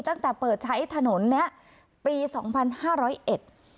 ตั้งแต่เปิดใช้ถนนเนี้ยปีสองพันห้าร้อยเอ็ด